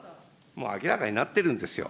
明らかになってるんですよ。